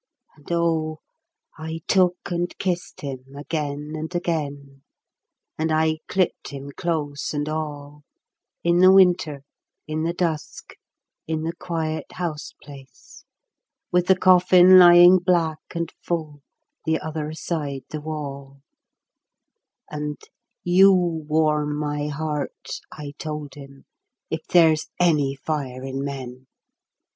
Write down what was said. And oh, I took and kissed him again and again, And I clipped him close and all, In the winter, in the dusk, in the quiet house place, With the coffin lying black and full the other side the wall ; And " You warm my heart," I told him, " if there's any fire in men